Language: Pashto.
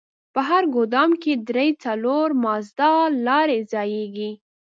په هر ګودام کښې درې څلور مازدا لارۍ ځايېږي.